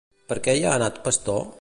Per què hi ha anat Pastor?